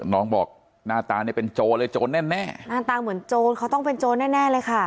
น้องบอกหน้าตาเนี่ยเป็นโจรเลยโจรแน่แน่หน้าตาเหมือนโจรเขาต้องเป็นโจรแน่แน่เลยค่ะ